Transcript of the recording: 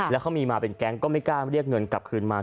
แล้วเขามีมาเป็นแก๊งก็ไม่กล้าเรียกเงินกลับคืนมา